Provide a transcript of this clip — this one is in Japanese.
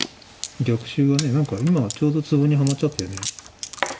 逆襲が何か今はちょうどツボにはまっちゃったよね。